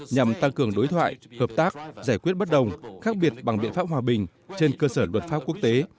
nhằm tăng cường đối thoại hợp tác giải quyết bất đồng khác biệt bằng biện pháp hòa bình trên cơ sở luật pháp quốc tế